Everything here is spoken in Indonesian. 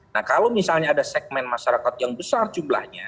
nah kalau misalnya ada segmen masyarakat yang besar jumlahnya